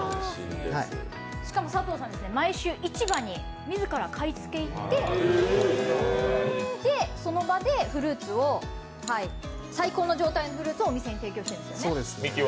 しかも佐藤さん、毎週市場に自ら買い付けに行ってその場で最高の状態のフルーツをお店に提供しているんですね。